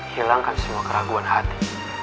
hilangkan semua keraguan hati